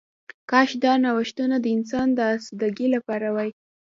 کاش دا نوښتونه د انسان د آسوده ګۍ لپاره وای